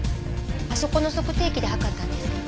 あそこの測定器で測ったんです。